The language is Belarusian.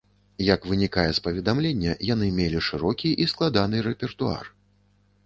Як вынікае з паведамлення, яны мелі шырокі і складаны рэпертуар.